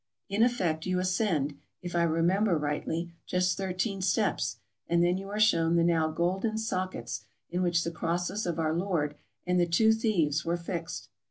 In effect, you ascend, if I re member rightly, just thirteen steps, and then you are shown the now golden sockets in which the crosses of our Lord and the two thieves were fixed.